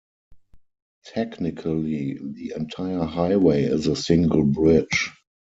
Technically, the entire highway is a single bridge.